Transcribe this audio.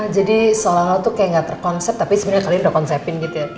jadi seolah olah tuh kayak gak terkonsep tapi sebenernya kalian udah konsepin gitu ya